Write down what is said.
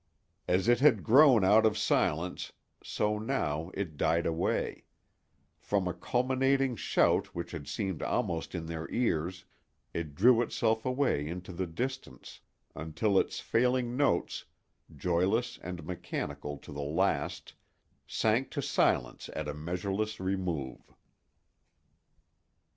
As it had grown out of silence, so now it died away; from a culminating shout which had seemed almost in their ears, it drew itself away into the distance, until its failing notes, joyless and mechanical to the last, sank to silence at a measureless remove.